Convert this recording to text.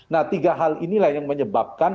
nah tiga hal inilah yang menyebabkan